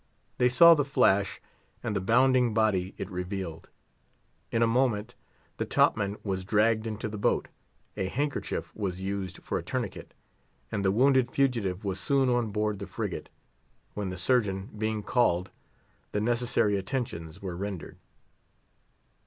They saw the flash, and the bounding body it revealed. In a moment the topman was dragged into the boat, a handkerchief was used for a tourniquet, and the wounded fugitive was soon on board the frigate, when, the surgeon being called, the necessary attentions were rendered.